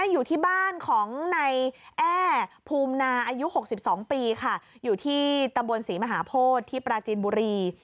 อยู่ที่ตำบวนศรีมหาโพธิปราจินบุรี